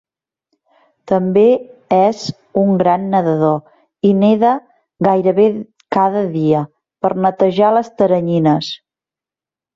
També és un gran nedador i neda gairebé cada dia "per netejar les teranyines".